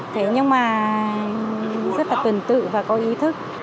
thế nhưng mà rất là tuần tự và có ý thức